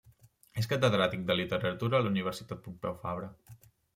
És catedràtic de Literatura a la Universitat Pompeu Fabra.